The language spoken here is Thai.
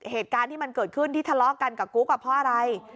เหตุการณ์ที่มันเกิดขึ้นที่ทะเลาะกันกับกุ๊กเพราะอะไร